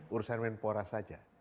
urusan menepora saja